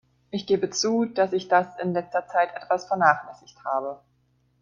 Ich gebe zu, dass ich das in letzter Zeit etwas vernachlässigt habe.